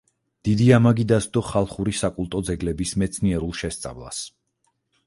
დიდი ამაგი დასდო ხალხური საკულტო ძეგლების მეცნიერულ შესწავლას.